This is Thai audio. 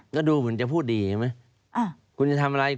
ก็ดูเหมือนจะพูดดีอย่างเนี่ยไหม